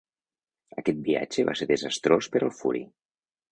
Aquest viatge va ser desastrós per al "Fury".